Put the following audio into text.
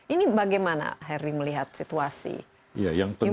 ini bagaimana heri melihat situasi human capital di indonesia